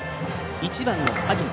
１番の萩野。